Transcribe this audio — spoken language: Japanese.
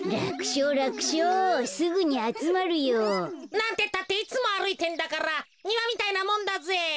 なんてったっていつもあるいてんだからにわみたいなもんだぜ。